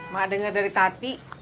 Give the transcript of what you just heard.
mak denger dari tati